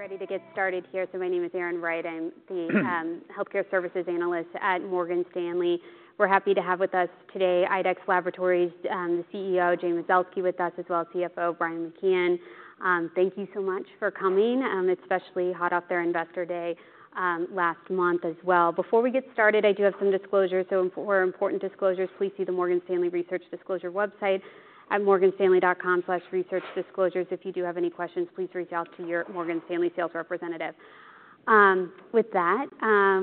We're ready to get started here. My name is Erin Wright. I'm the healthcare services analyst at Morgan Stanley. We're happy to have with us today IDEXX Laboratories, the CEO Jay Mazelski, as well as CFO Brian McKeon. Thank you so much for coming, especially hot off their Investor Day last month as well. Before we get started, I do have some disclosures. For important disclosures, please see the Morgan Stanley Research Disclosure website at morganstanley.com/researchdisclosures. If you do have any questions, please reach out to your Morgan Stanley sales representative. With that,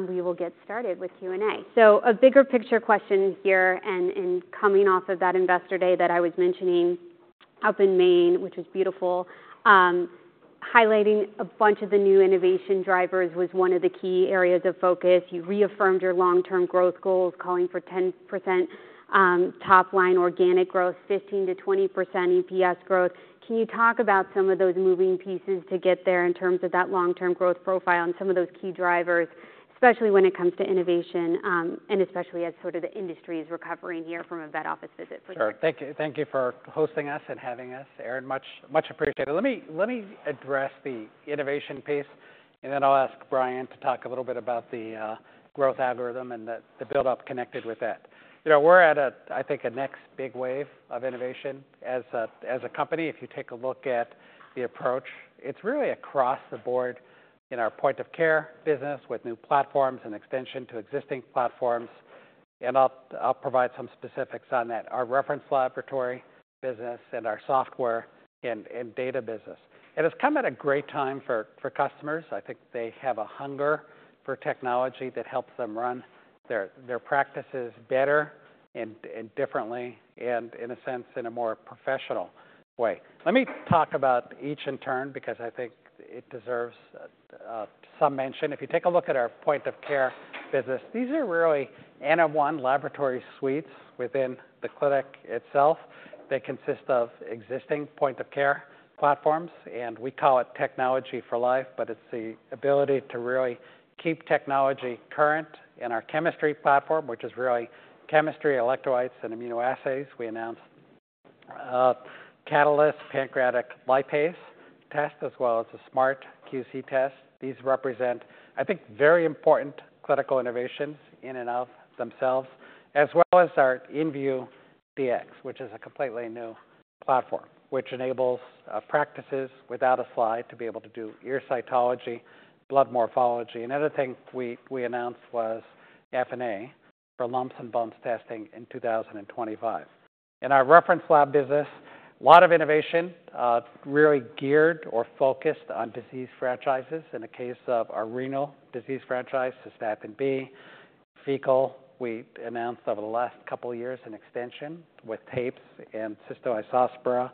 we will get started with Q&A. A bigger picture question here, and coming off of that Investor Day that I was mentioning up in Maine, which was beautiful. Highlighting a bunch of the new innovation drivers was one of the key areas of focus. You reaffirmed your long-term growth goals, calling for 10% top line organic growth, 15%-20% EPS growth. Can you talk about some of those moving pieces to get there in terms of that long-term growth profile and some of those key drivers, especially when it comes to innovation, and especially as the industry is recovering here from a vet office visit perspective? Sure. Thank you. Thank you for hosting us and having us, Erin. Much, much appreciated. Let me address the innovation piece, and then I'll ask Brian to talk a little bit about the growth algorithm and the buildup connected with that. We're at a, I think, a next big wave of innovation as a company. If you take a look at the approach, it's really across the board in our point of care business with new platforms and extension to existing platforms, and I'll provide some specifics on that. Our reference laboratory business and our software and data business. It has come at a great time for customers. I think they have a hunger for technology that helps them run their practices better and differently, and in a sense, in a more professional way. Let me talk about each in turn, because I think it deserves some mention. If you take a look at our point-of-care business, these are really N-of-One laboratory suites within the clinic itself. They consist of existing point of care platforms, and we call it Technology for Life, but it's the ability to really keep technology current in our chemistry platform, which is really chemistry, electrolytes, and immunoassays. We announced Catalyst Pancreatic Lipase test, as well as a SmartQC test. These represent, I think, very important clinical innovations in and of themselves, as well as our InVue Dx, which is a completely new platform, which enables practices without a slide to be able to do ear cytology, blood morphology. Another thing we announced was FNA for lumps and bumps testing in two thousand and twenty-five. In our reference lab business, a lot of innovation, really geared or focused on disease franchises. In the case of our renal disease franchise, Cystatin B, fecal, we announced over the last couple of years an extension with tapeworms and Cystoisospora,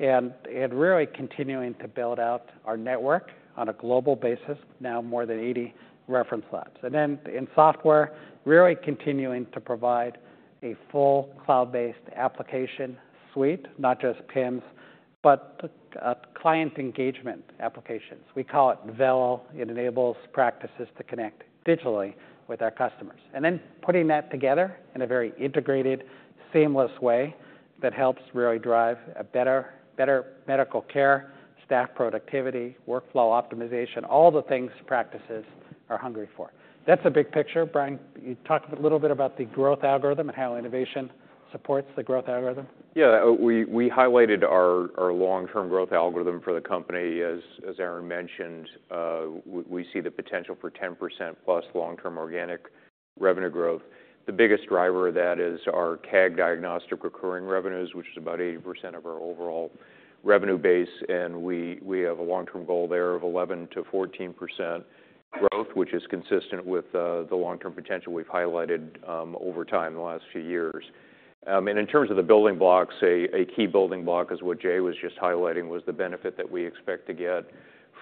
and really continuing to build out our network on a global basis, now more than 80 reference labs. And then in software, really continuing to provide a full cloud-based application suite, not just PIMS, but client engagement applications. We call it Vello. It enables practices to connect digitally with our customers. Then putting that together in a very integrated, seamless way that helps really drive a better medical care, staff productivity, workflow optimization, all the things practices are hungry for. That's a big picture. Brian, can you talk a little bit about the growth algorithm and how innovation supports the growth algorithm? Yeah. We highlighted our long-term growth algorithm for the company. As Erin mentioned, we see the potential for 10% plus long-term organic revenue growth. The biggest driver of that is our CAG diagnostic recurring revenues, which is about 80% of our overall revenue base, and we have a long-term goal there of 11%-14% growth, which is consistent with the long-term potential we've highlighted over time in the last few years. In terms of the building blocks, a key building block is what Jay was just highlighting, the benefit that we expect to get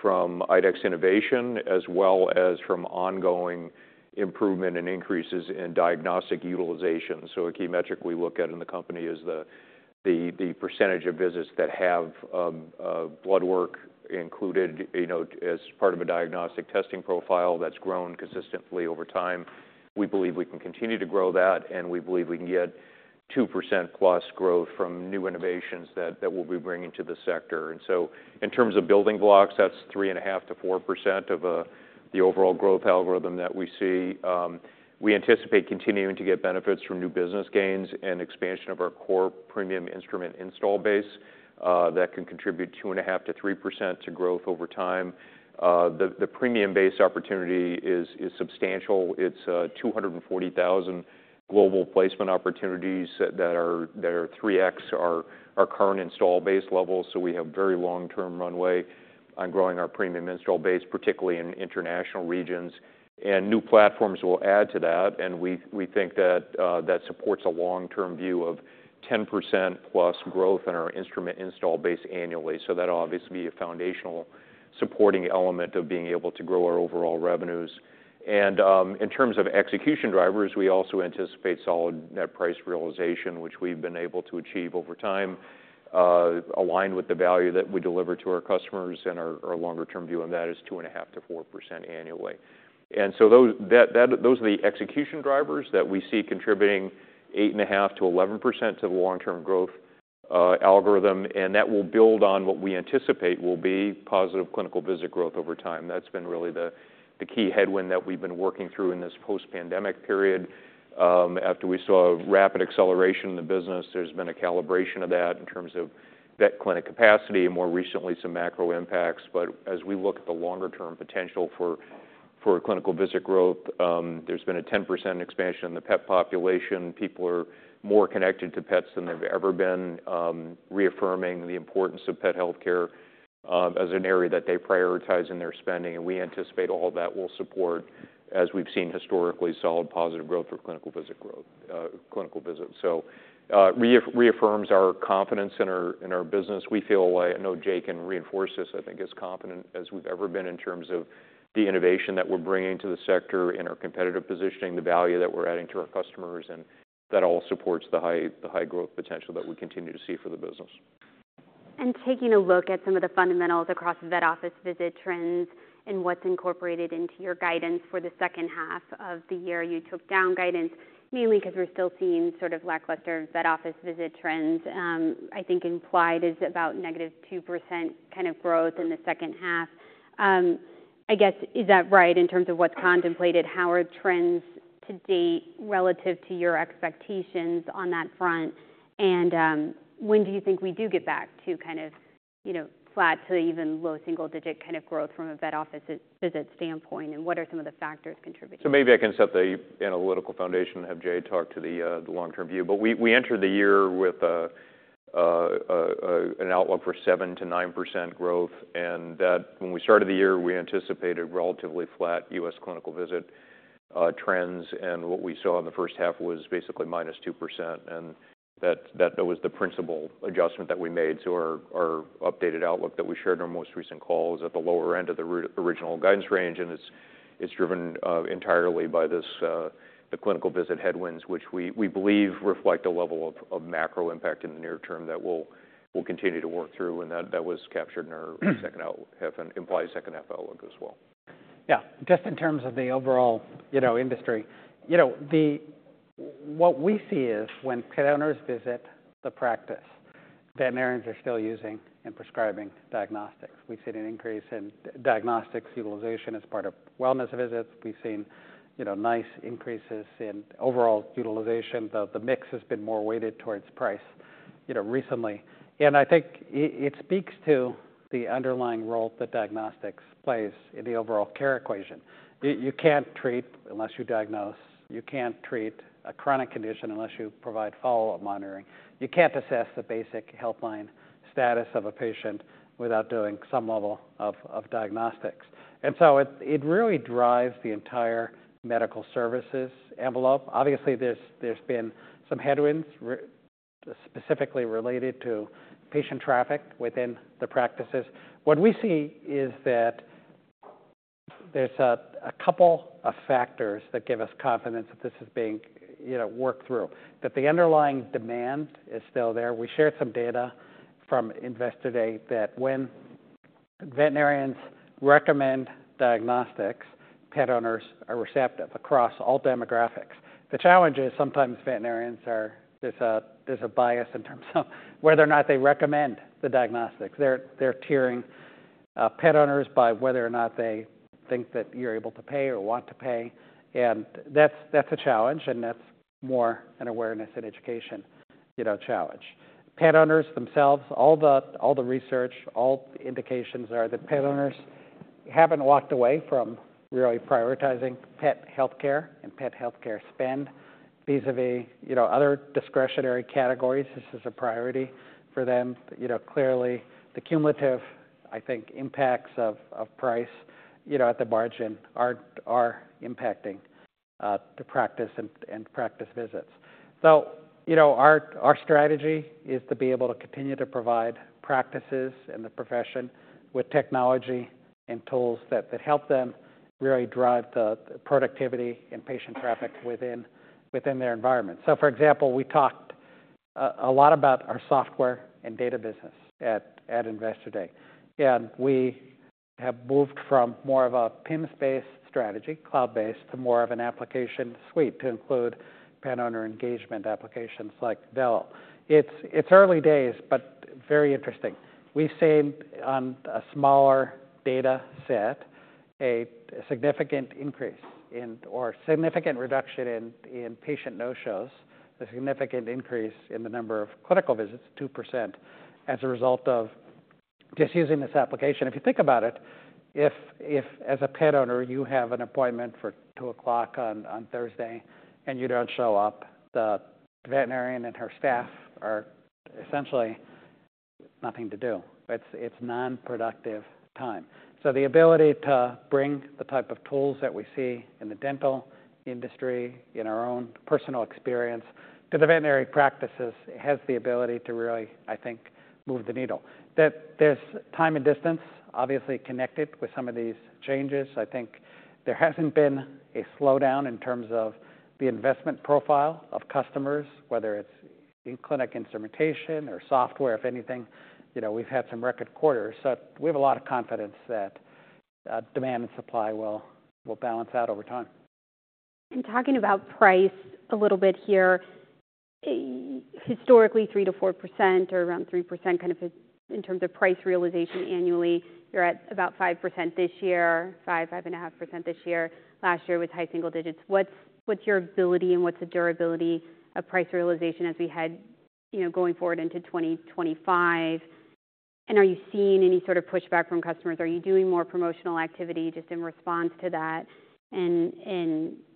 from IDEXX innovation, as well as from ongoing improvement and increases in diagnostic utilization. A key metric we look at in the company is the percentage of visits that have blood work included, as part of a diagnostic testing profile that's grown consistently over time. We believe we can continue to grow that, and we believe we can get 2% plus growth from new innovations that we'll be bringing to the sector. In terms of building blocks, that's 3.5-4% of the overall growth algorithm that we see. We anticipate continuing to get benefits from new business gains and expansion of our core premium instrument install base that can contribute 2.5-3% to growth over time. The premium base opportunity is substantial. It's two hundred and forty thousand global placement opportunities that are three X our current install base level. We have very long-term runway on growing our premium install base, particularly in international regions, and new platforms will add to that. We think that supports a long-term view of 10% plus growth in our instrument install base annually. That'll obviously be a foundational supporting element of being able to grow our overall revenues. In terms of execution drivers, we also anticipate solid net price realization, which we've been able to achieve over time, aligned with the value that we deliver to our customers and our longer-term view, and that is 2.5%-4% annually. Those are the execution drivers that we see contributing 8.5%-11% to the long-term growth algorithm, and that will build on what we anticipate will be positive clinical visit growth over time. That's been really the key headwind that we've been working through in this post-pandemic period. After we saw a rapid acceleration in the business, there's been a calibration of that in terms of vet clinic capacity and more recently, some macro impacts. But as we look at the longer-term potential for clinical visit growth, there's been a 10% expansion in the pet population. People are more connected to pets than they've ever been, reaffirming the importance of pet healthcare as an area that they prioritize in their spending. We anticipate all that will support, as we've seen historically, solid, positive growth for clinical visit growth, clinical visits. Reaffirms our confidence in our business. We feel like Jay can reinforce this, I think, as confident as we've ever been in terms of the innovation that we're bringing to the sector and our competitive positioning, the value that we're adding to our customers, and that all supports the high growth potential that we continue to see for the business. Taking a look at some of the fundamentals across vet office visit trends and what's incorporated into your guidance for the second half of the year, you took down guidance mainly because we're still seeing lackluster vet office visit trends. I think implied is about negative 2% growth in the second half. I guess, is that right in terms of what's contemplated? How are trends to date relative to your expectations on that front? When do you think we do get back to flat to even low single digit growth from a vet office visit standpoint, and what are some of the factors contributing? Maybe I can set the analytical foundation and have Jay talk to the long-term view. We entered the year with an outlook for 7%-9% growth, and that when we started the year, we anticipated relatively flat U.S. clinical visit trends. What we saw in the first half was basically -2%, and that was the principal adjustment that we made. Our updated outlook that we shared on our most recent call is at the lower end of the original guidance range, and it's driven entirely by the clinical visit headwinds, which we believe reflect a level of macro impact in the near term that we'll continue to work through, and that was captured in our second half and implied second half outlook as well. Yeah. Just in terms of the overall, industry. What we see is when pet owners visit the practice, veterinarians are still using and prescribing diagnostics. We've seen an increase in diagnostics utilization as part of wellness visits. We've seen nice increases in overall utilization. The mix has been more weighted towards price recently. I think it speaks to the underlying role that diagnostics plays in the overall care equation. You can't treat unless you diagnose. You can't treat a chronic condition unless you provide follow-up monitoring. You can't assess the basic baseline health status of a patient without doing some level of diagnostics. It really drives the entire medical services envelope. Obviously, there's been some headwinds, specifically related to patient traffic within the practices. What we see is that there's a couple of factors that give us confidence that this is being worked through. That the underlying demand is still there. We shared some data from Investor Day, that when veterinarians recommend diagnostics, pet owners are receptive across all demographics. The challenge is sometimes veterinarians there's a bias in terms of whether or not they recommend the diagnostics. They're tiering pet owners by whether or not they think that you're able to pay or want to pay. That's a challenge, and that's more an awareness and education challenge. Pet owners themselves, all the research, all the indications are that pet owners haven't walked away from really prioritizing pet healthcare and pet healthcare spend. Vis-a-vis other discretionary categories, this is a priority for them. Clearly, the cumulative, I think, impacts of price, at the margin are impacting the practice and practice visits. Our strategy is to be able to continue to provide practices and the profession with technology and tools that help them really drive the productivity and patient traffic within their environment. For example, we talked a lot about our software and data business at Investor Day, and we have moved from more of a PIMS-based strategy, cloud-based, to more of an application suite to include pet owner engagement applications like Vello. It's early days, but very interesting. We've seen on a smaller data set a significant reduction in patient no-shows, a significant increase in the number of clinical visits, 2%, as a result of just using this application. If you think about it, if as a pet owner, you have an appointment for two o'clock on Thursday and you don't show up, the veterinarian and her staff have essentially nothing to do. It's non-productive time. The ability to bring the type of tools that we see in the dental industry, in our own personal experience, to the veterinary practices has the ability to really, I think, move the needle. That there's time and distance obviously connected with some of these changes. I think there hasn't been a slowdown in terms of the investment profile of customers, whether it's in clinic instrumentation or software. If anything we've had some record quarters. We have a lot of confidence that demand and supply will balance out over time. Talking about price a little bit here, historically, 3-4% or around 3%, in terms of price realization annually, you're at about 5% this year, 5-5.5% this year. Last year was high single digits. What's, what's your ability and what's the durability of price realization as we head going forward into 2025? Are you seeing any pushback from customers? Are you doing more promotional activity just in response to that?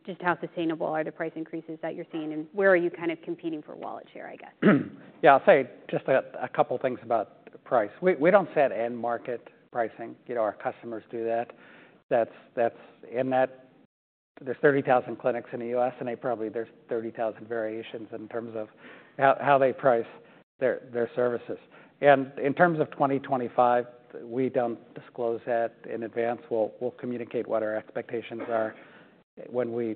Just how sustainable are the price increases that you're seeing, and where are you competing for wallet share, I guess? I'll say just a couple things about price. We don't set end market pricing. Our customers do that. That's in that. There's 30,000 clinics in the U.S., and there probably are 30,000 variations in terms of how they price their services. In terms of 2025, we don't disclose that in advance. We'll communicate what our expectations are when we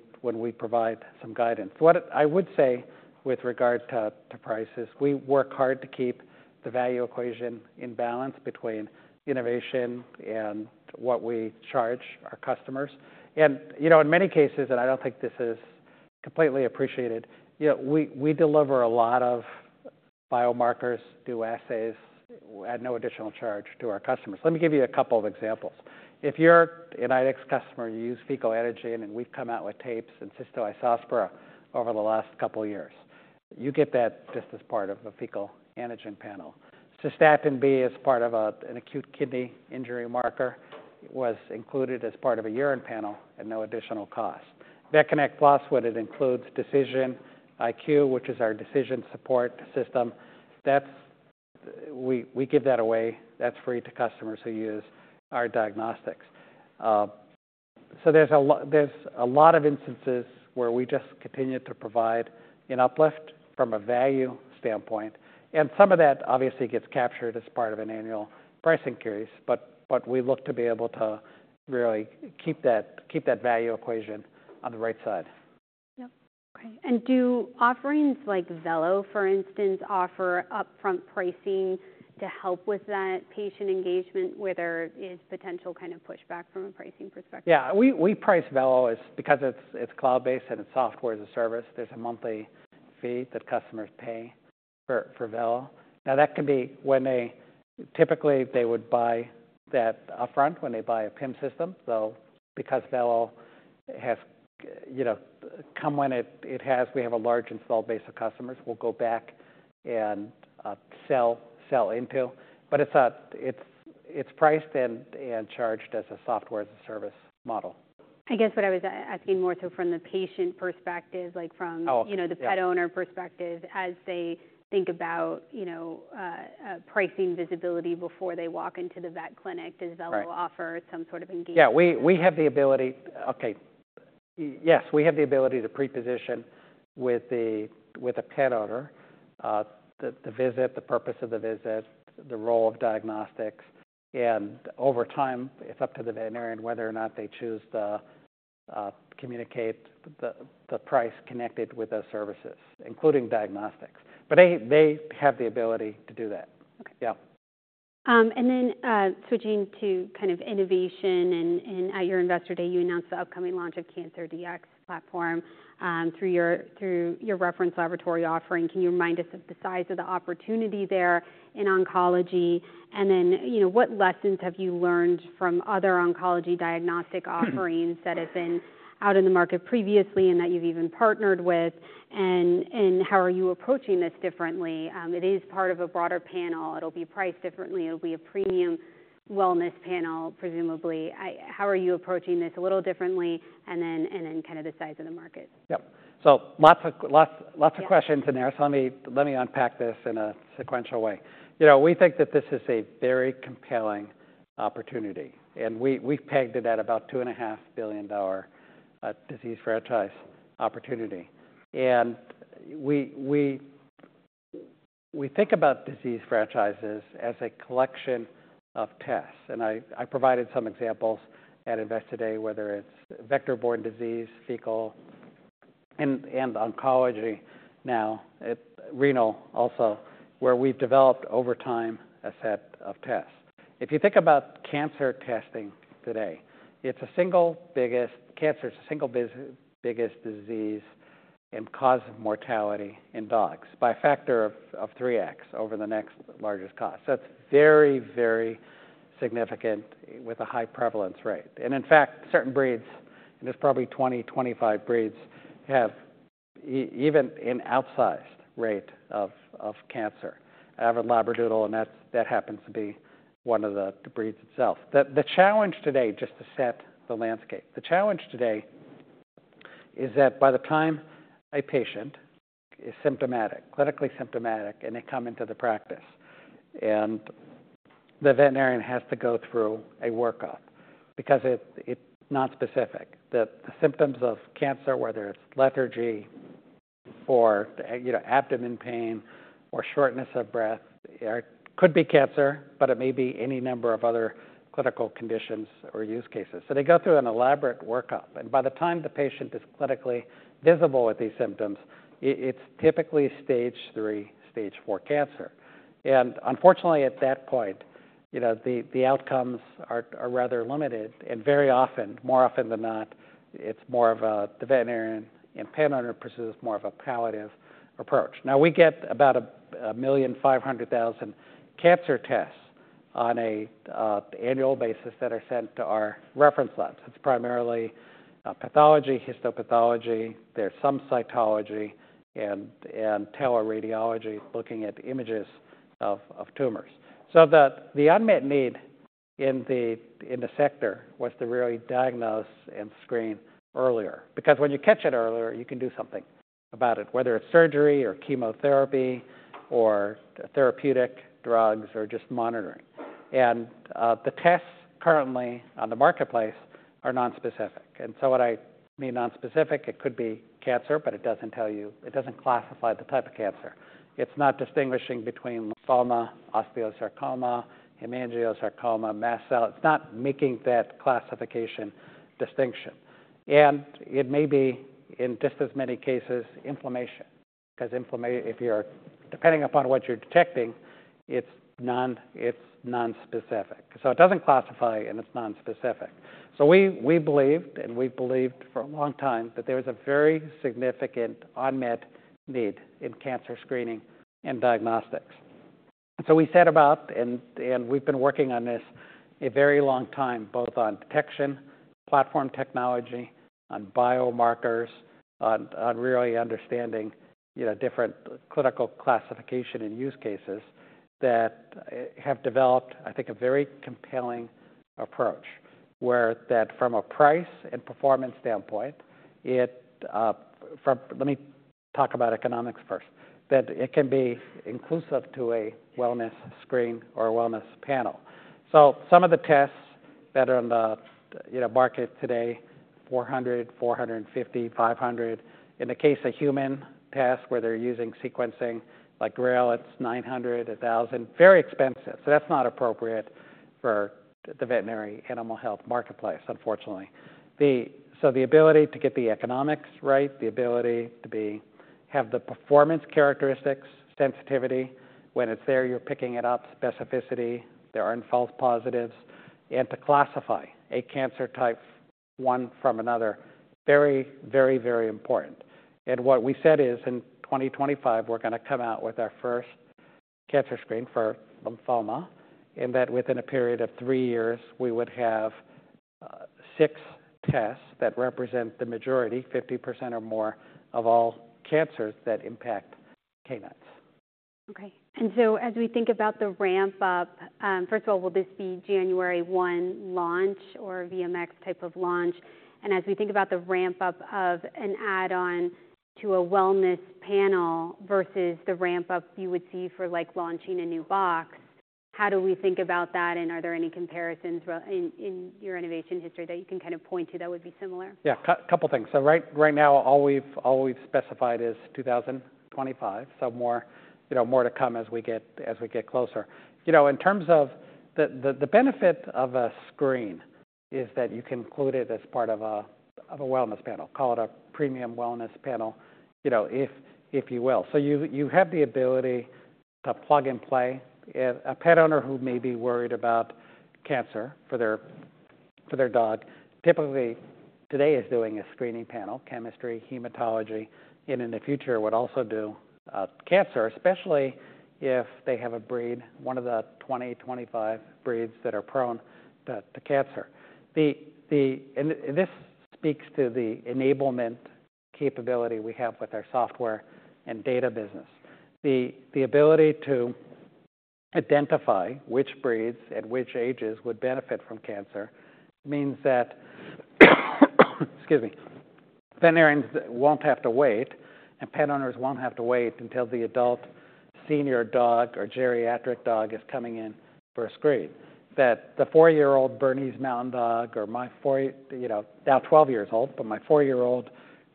provide some guidance. What I would say with regard to prices, we work hard to keep the value equation in balance between innovation and what we charge our customers. In many cases, and I don't think this is completely appreciated we deliver a lot of biomarkers, do assays, at no additional charge to our customers. Let me give you a couple of examples. If you're an IDEXX customer, you use Fecal Antigen, and we've come out with tapes and Cystoisospora over the last couple of years. You get that just as part of the Fecal Antigen panel. Cystatin B is part of a, an acute kidney injury marker, was included as part of a urine panel at no additional cost. VetConnect Plus, what it includes, DecisionIQ, which is our decision support system, that's we give that away. That's free to customers who use our diagnostics. There's a lot of instances where we just continue to provide an uplift from a value standpoint, and some of that obviously gets captured as part of an annual pricing increase, but we look to be able to really keep that value equation on the right side. Do offerings like Vello, for instance, offer upfront pricing to help with that patient engagement, where there is potential pushback from a pricing perspective? We price Vello because it's cloud-based and it's software as a service. There's a monthly fee that customers pay for Vello. Now, that can be when they... Typically, they would buy that upfront when they buy a PIM system, so because Vello has come when it has, we have a large installed base of customers. We'll go back and sell into. It's priced and charged as a software as a service model. I guess what I was asking more so from the patient perspective, like from the pet owner perspective, as they think about pricing visibility before they walk into the vet clinic. Does Vello offer some engagement? Yes, we have the ability to pre-position with the pet owner the visit, the purpose of the visit, the role of diagnostics. Over time, it's up to the veterinarian whether or not they choose to communicate the price connected with those services, including diagnostics. They have the ability to do that. Then, switching to innovation, and at your Investor Day, you announced the upcoming launch of Cancer DX platform through your reference laboratory offering. Can you remind us of the size of the opportunity there in oncology? Then, what lessons have you learned from other oncology diagnostic offerings that have been out in the market previously and that you've even partnered with? How are you approaching this differently? It is part of a broader panel. It'll be priced differently. It'll be a premium wellness panel, presumably. How are you approaching this a little differently? The size of the market. Lots of questions In there. Let me unpack this in a sequential way. We think that this is a very compelling opportunity, and we've pegged it at about $2.5 billion disease franchise opportunity. We think about disease franchises as a collection of tests, and I provided some examples at Investor Day, whether it's vector-borne disease, fecal, and oncology, now it's renal, also, where we've developed over time a set of tests. If you think about cancer testing today, cancer is the single biggest disease and cause of mortality in dogs by a factor of 3X over the next largest cause. It's very, very significant with a high prevalence rate. In fact, certain breeds, and there's probably 2025 breeds, have even an outsized rate of cancer. I have a Labradoodle, and that happens to be one of the breeds itself. The challenge today, just to set the landscape. The challenge today is that by the time a patient is symptomatic, clinically symptomatic, and they come into the practice, and the veterinarian has to go through a workup because it, it's not specific. The symptoms of cancer, whether it's lethargy or, abdomen pain or shortness of breath, could be cancer, but it may be any number of other clinical conditions or use cases. They go through an elaborate workup, and by the time the patient is clinically visible with these symptoms, it's typically Stage III, Stage IV cancer. Unfortunately, at that point the outcomes are rather limited, and very often, more often than not, it's more of a palliative approach the veterinarian and pet owner pursues. Now, we get about 1.5 million cancer tests on an annual basis that are sent to our reference labs. It's primarily pathology, histopathology. There's some cytology, and teleradiology, looking at images of tumors. The unmet need in the sector was to really diagnose and screen earlier, because when you catch it earlier, you can do something about it, whether it's surgery or chemotherapy or therapeutic drugs or just monitoring. The tests currently on the marketplace are nonspecific. What I mean nonspecific, it could be cancer, but it doesn't tell you. It doesn't classify the type of cancer. It's not distinguishing between lymphoma, osteosarcoma, hemangiosarcoma, mast cell. It's not making that classification distinction. It may be, in just as many cases, inflammation, 'cause if you're... Depending upon what you're detecting, it's nonspecific. It doesn't classify, and it's nonspecific. We believed, and we've believed for a long time, that there is a very significant unmet need in cancer screening and diagnostics. We set about, and we've been working on this a very long time, both on detection, platform technology, on biomarkers, on really understanding, different clinical classification and use cases, that have developed, I think, a very compelling approach, where that from a price and performance standpoint, it, let me talk about economics first. That it can be inclusive to a wellness screen or a wellness panel. Some of the tests that are on the market today, $400-$500. In the case of human tests, where they're using sequencing, like GRAIL, it's $900-$1,000. Very expensive, so that's not appropriate for the veterinary animal health marketplace, unfortunately. The ability to get the economics right, the ability to have the performance characteristics, sensitivity, when it's there, you're picking it up, specificity, there aren't false positives, and to classify a cancer type, one from another, very, very, very important. What we said is, in 2025, we're gonna come out with our first cancer screen for lymphoma, and that within a period of three years, we would have six tests that represent the majority, 50% or more, of all cancers that impact canines. Okay. As we think about the ramp-up, first of all, will this be January one launch or VMX type of launch? As we think about the ramp-up of an add-on to a wellness panel versus the ramp-up you would see for, like, launching a new box, how do we think about that, and are there any comparisons in your innovation history that you can point to that would be similar? Couple things. Right now, all we've specified is 2025. More to come as we get closer. In terms of the benefit of a screen is that you can include it as part of a wellness panel. Call it a premium wellness panel if you will. You have the ability to plug and play. If a pet owner who may be worried about cancer for their dog, typically today is doing a screening panel, chemistry, hematology, and in the future, would also do cancer, especially if they have a breed, one of the 25 breeds that are prone to cancer. This speaks to the enablement capability we have with our software and data business. The ability to identify which breeds at which ages would benefit from cancer means that, excuse me, veterinarians won't have to wait, and pet owners won't have to wait until the adult senior dog or geriatric dog is coming in for a screen. That the four-year-old Bernese Mountain Dog or my four-year now 12 years old, but my four-year-old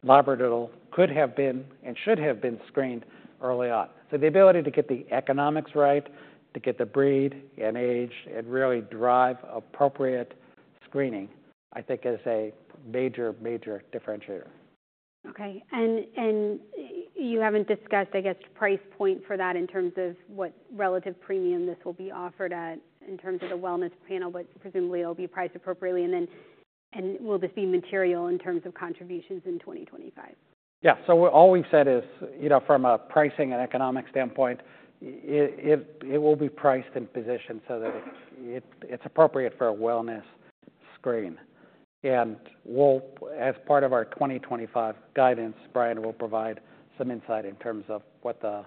Labradoodle could have been and should have been screened early on. So the ability to get the economics right, to get the breed and age, and really drive appropriate screening, I think is a major, major differentiator. You haven't discussed, price point for that in terms of what relative premium this will be offered at in terms of the wellness panel, but presumably it'll be priced appropriately, and then will this be material in terms of contributions in twenty twenty-five? What all we've said is, from a pricing and economic standpoint, it will be priced and positioned so that it's appropriate for a wellness screen. We'll, as part of our 2025 guidance, Brian will provide some insight in terms of what the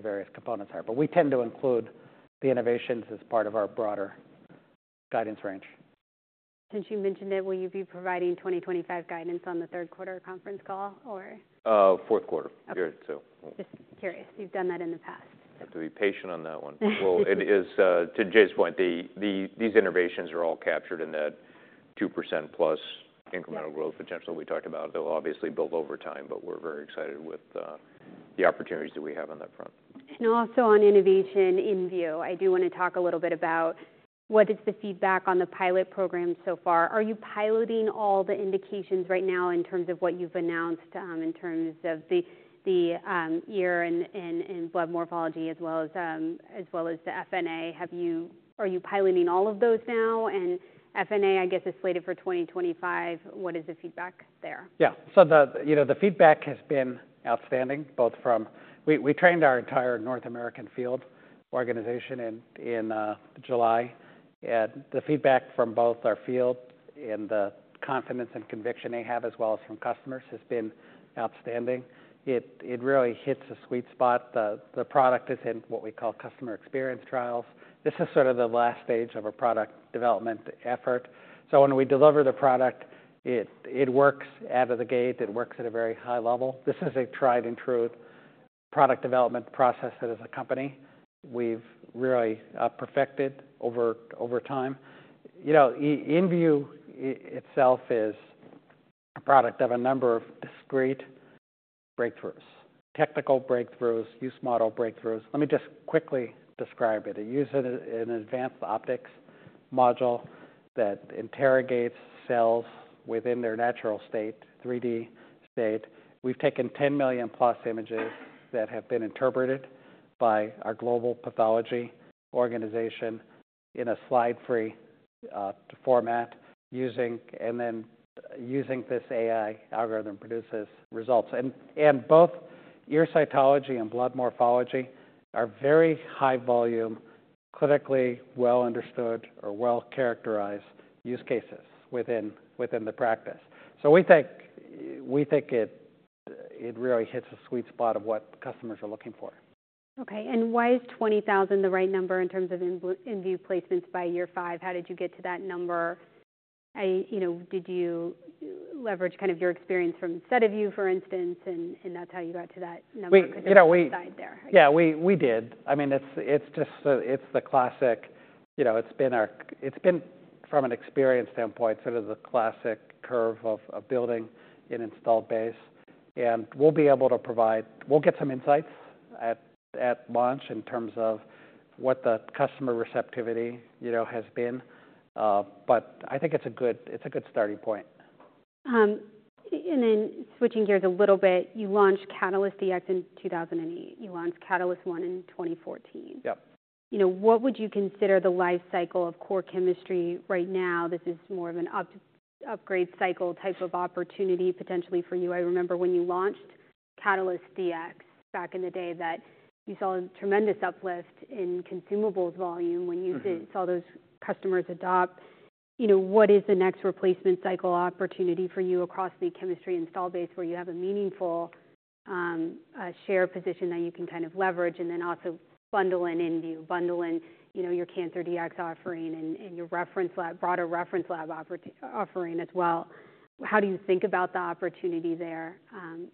various components are. We tend to include the innovations as part of our broader guidance range. Since you mentioned it, will you be providing 2025 guidance on the third quarter conference call, or? Fourth quarter. Okay. Just curious. You've done that in the past. You'll have to be patient on that one. It is. To Jay's point, these innovations are all captured in that 2% plus incremental growth potential we talked about. They'll obviously build over time, but we're very excited with the opportunities that we have on that front. Also on innovation, InVue. What is the feedback on the pilot program so far? Are you piloting all the indications right now in terms of what you've announced, in terms of the ear and blood morphology as well as the FNA? Are you piloting all of those now? FNA, I guess, is slated for 2025. What is the feedback there? The feedback has been outstanding, both from. We trained our entire North American field organization in July. The feedback from both our field and the confidence and conviction they have, as well as from customers, has been outstanding. It really hits the sweet spot. The product is in what we call customer experience trials. This is the last stage of a product development effort. When we deliver the product, it works out of the gate, it works at a very high level. This is a tried and true product development process that as a company, we've really perfected over time. InVue itself is a product of a number of discrete breakthroughs, technical breakthroughs, use model breakthroughs. Let me just quickly describe it. It uses an advanced optics module that interrogates cells within their natural state, 3D state. We've taken 10 million plus images that have been interpreted by our global pathology organization in a slide-free format, using this AI algorithm, produces results. Both ear cytology and blood morphology are very high volume, clinically well understood or well characterized use cases within the practice. We think it really hits a sweet spot of what customers are looking for. Okay, and why is twenty thousand the right number in terms of InVue placements by year five? How did you get to that number? Did you leverage your experience from SediVue, for instance, and that's how you got to that number- We did. I mean, it's just the classic. It's been our- it's been, from an experience standpoint, the classic curve of building an installed base. We'll be able to provide- we'll get some insights at launch in terms of what the customer receptivity, has been. I think it's a good starting point. Then switching gears a little bit, you launched Catalyst Dx in 2008. You launched Catalyst One in 2024. Yep. What would you consider the life cycle of core chemistry right now? This is more of an upgrade cycle type of opportunity, potentially for you. I remember when you launched Catalyst Dx back in the day, that you saw a tremendous uplift in consumables volume. When you saw those customers adopt. What is the next replacement cycle opportunity for you across the chemistry install base, where you have a meaningful share position that you can leverage, and then also bundle in InVue, bundle in your Cancer DX offering and your reference lab, broader reference lab offering as well? How do you think about the opportunity there,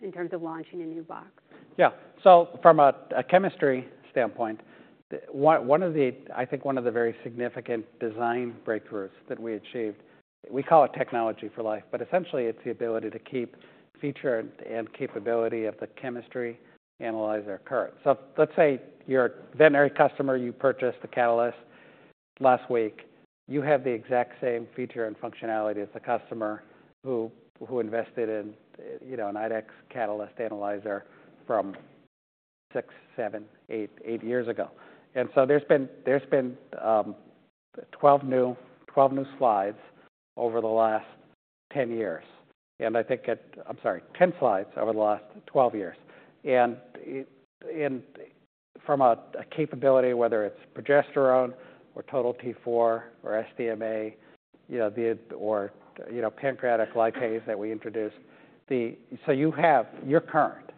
in terms of launching a new box? From a chemistry standpoint, one of the—I think one of the very significant design breakthroughs that we achieved, we call it Technology for Life. But essentially, it's the ability to keep feature and capability of the chemistry analyzer current. Let's say you're a veterinary customer, you purchased a Catalyst last week. You have the exact same feature and functionality as the customer who invested in an IDEXX Catalyst Analyzer from six, seven, eight years ago. There's been 12 new slides over the last 10 years, and I think it. I'm sorry, 10 slides over the last 12 years. From a capability, whether it's progesterone or Total T4 or SDMA or pancreatic lipase that we introduced. You're current.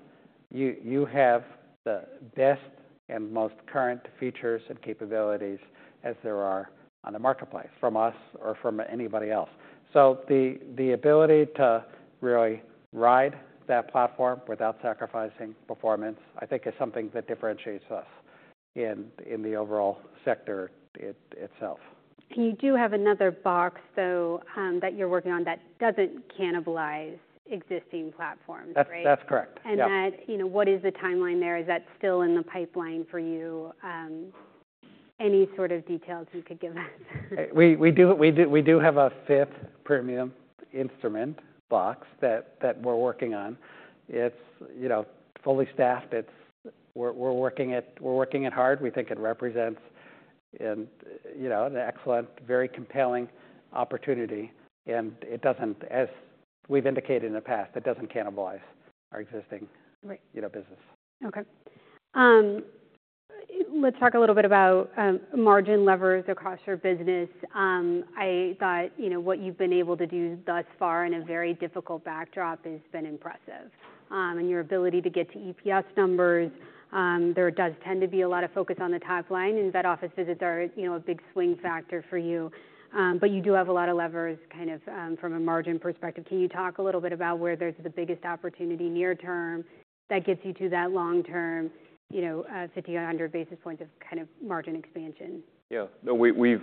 You have the best and most current features and capabilities as there are on the marketplace, from us or from anybody else. So the ability to really ride that platform without sacrificing performance, I think, is something that differentiates us in the overall sector itself. You do have another box, though, that you're working on, that doesn't cannibalize existing platforms. That's correct. What is the timeline there? Is that still in the pipeline for you? Any details you could give us? We do have a fifth premium instrument box that we're working on. It's, fully staffed. We're working it hard. We think it represents an excellent, very compelling opportunity, and it doesn't. As we've indicated in the past, it doesn't cannibalize our existing business. Let's talk a little bit about margin levers across your business. I thought what you've been able to do thus far in a very difficult backdrop has been impressive, and your ability to get to EPS numbers. There does tend to be a lot of focus on the top line, and vet office visits are, a big swing factor for you. You do have a lot of levers from a margin perspective. Can you talk a little bit about where there's the biggest opportunity near term that gets you to that long-term, 50-100 basis points of margin expansion? We've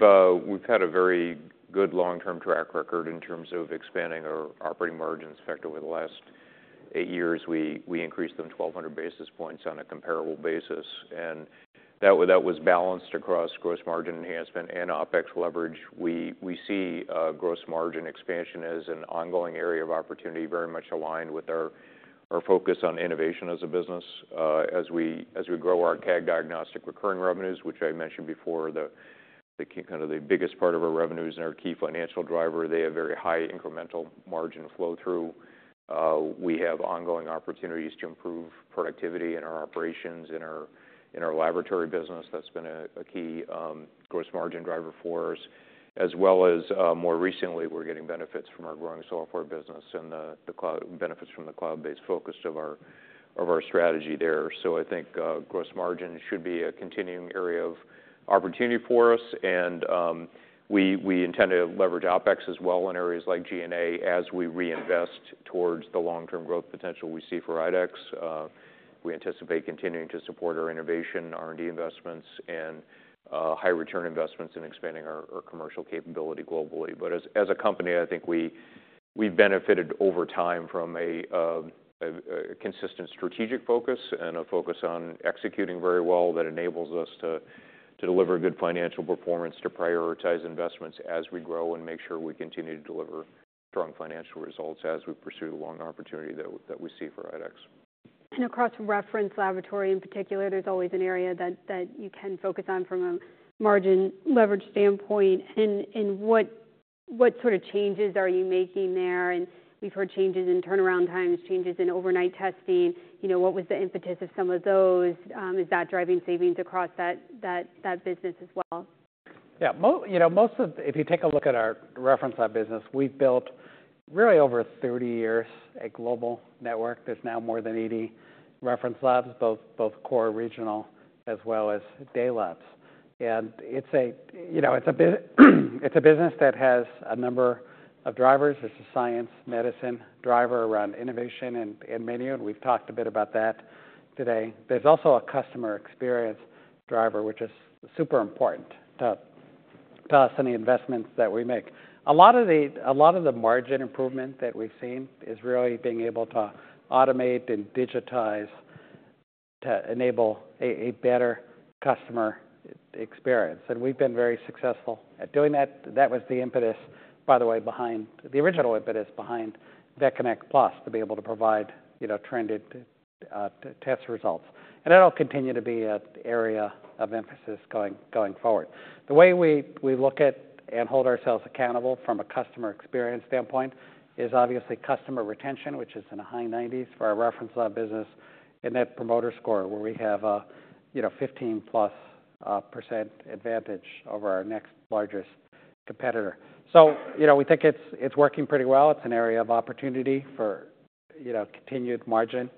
had a very good long-term track record in terms of expanding our operating margin sector over the last eight years. We increased them twelve hundred basis points on a comparable basis, and that was balanced across gross margin enhancement and OpEx leverage. We see gross margin expansion as an ongoing area of opportunity, very much aligned with our focus on innovation as a business. As we grow our CAG diagnostic recurring revenues, which I mentioned before, the biggest part of our revenues and our key financial driver, they have very high incremental margin flow-through. We have ongoing opportunities to improve productivity in our operations, in our laboratory business. That's been a key gross margin driver for us. As well as, more recently, we're getting benefits from our growing software business and the cloud benefits from the cloud-based focus of our strategy there. So I think gross margin should be a continuing area of opportunity for us, and we intend to leverage OpEx as well in areas like G&A, as we reinvest towards the long-term growth potential we see for IDEXX. We anticipate continuing to support our innovation, R&D investments, and high return investments in expanding our commercial capability globally. As a company, I think we've benefited over time from a consistent strategic focus and a focus on executing very well that enables us to deliver good financial performance, to prioritize investments as we grow, and make sure we continue to deliver strong financial results as we pursue the long opportunity that we see for IDEXX. Across Reference Laboratory, in particular, there's always an area that you can focus on from a margin leverage standpoint. What changes are you making there? We've heard changes in turnaround times, changes in overnight testing. What was the impetus of some of those? Is that driving savings across that business as well? If you take a look at our reference lab business, we've built, really over thirty years, a global network that's now more than eighty reference labs, both core regional as well as day labs. It's a business that has a number of drivers. It's a science medicine driver around innovation and menu, and we've talked a bit about that today. There's also a customer experience driver, which is super important to us and the investments that we make. A lot of the margin improvement that we've seen is really being able to automate and digitize, to enable a better customer experience, and we've been very successful at doing that. That was the impetus, by the way, behind the original impetus behind VetConnect Plus to be able to provide trended test results, and that'll continue to be an area of emphasis going forward. The way we look at and hold ourselves accountable from a customer experience standpoint is obviously customer retention, which is in the high 90s for our reference lab business, and net promoter score, where we have a 15-plus% advantage over our next largest competitor, so we think it's working pretty well. It's an area of opportunity for continued margin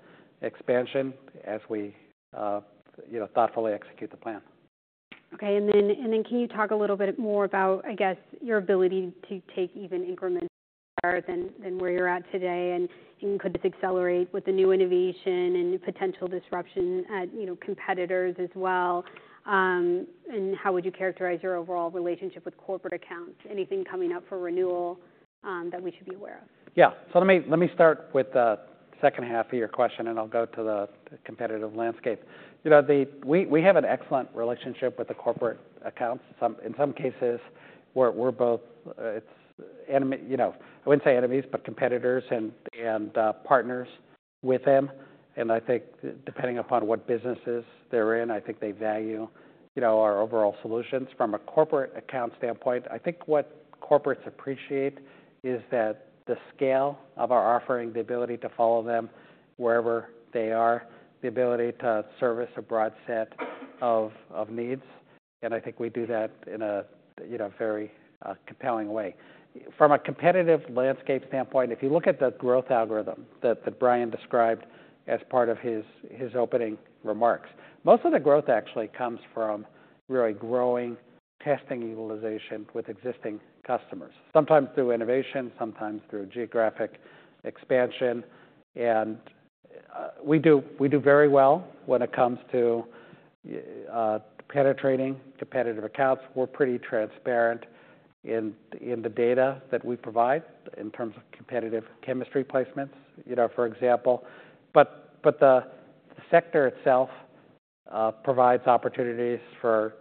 expansion as we thoughtfully execute the plan. Then can you talk a little bit more about, I guess, your ability to take even increments than, than where you're at today? Could this accelerate with the new innovation and new potential disruption at competitors as well? How would you characterize your overall relationship with corporate accounts? Anything coming up for renewal, that we should be aware of? Let me start with the second half of your question, and I'll go to the competitive landscape. We have an excellent relationship with the corporate accounts. Some in some cases, we're both. I wouldn't say enemies, but competitors and partners with them. I think depending upon what businesses they're in, I think they value, our overall solutions. From a corporate account standpoint, I think what corporates appreciate is that the scale of our offering, the ability to follow them wherever they are, the ability to service a broad set of needs, and I think we do that in a, very compelling way. From a competitive landscape standpoint, if you look at the growth algorithm that Brian described as part of his opening remarks, most of the growth actually comes from really growing testing utilization with existing customers, sometimes through innovation, sometimes through geographic expansion. We do very well when it comes to penetrating competitive accounts. We're pretty transparent in the data that we provide in terms of competitive chemistry placements, for example. The sector itself provides opportunities for,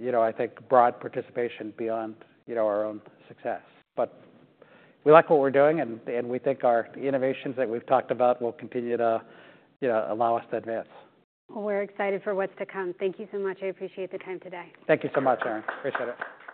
I think, broad participation beyond our own success. We like what we're doing, and we think our innovations that we've talked about will continue to allow us to advance. We're excited for what's to come. Thank you so much. I appreciate the time today. Thank you so much, Erin. Appreciate it.